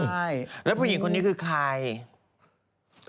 ใช่แล้วผู้หญิงคนนี้คือใคร